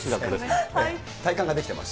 体感ができてます。